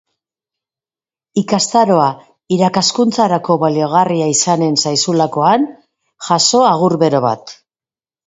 Ikastaroa irakaskuntzarako baliagarria izanen zaizulakoan, jaso agur bero bat.